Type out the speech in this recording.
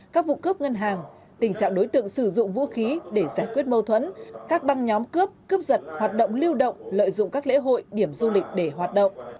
các vụ cướp ngân hàng tình trạng đối tượng sử dụng vũ khí để giải quyết mâu thuẫn các băng nhóm cướp cướp giật hoạt động lưu động lợi dụng các lễ hội điểm du lịch để hoạt động